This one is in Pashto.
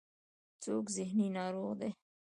څوک ذهني ناروغ دی.